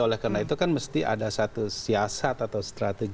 oleh karena itu kan mesti ada satu siasat atau strategi